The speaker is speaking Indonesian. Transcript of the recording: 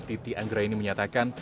titi anggra ini menyatakan